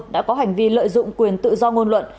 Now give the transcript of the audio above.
đã có hành vi lợi dụng quyền tự do ngôn luận